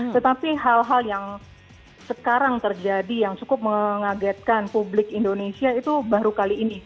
tetapi hal hal yang sekarang terjadi yang cukup mengagetkan publik indonesia itu baru kali ini